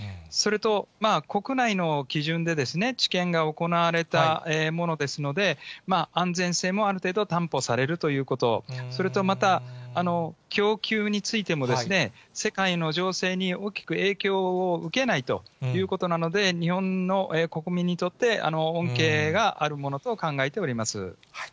それと、国内の基準で治験が行われたものですので、安全性もある程度は担保されるということ、それとまた、供給についても、世界の情勢に大きく影響を受けないということなので、日本の国民にとって恩恵があるものと考えております。